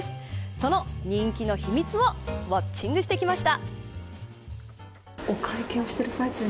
その人気の秘密をウオッチングしてきました。